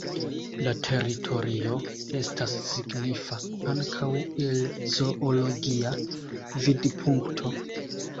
La teritorio estas signifa ankaŭ el zoologia vidpunkto.